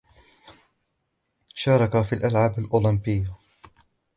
شاركَ في الألعاب الأولمبية.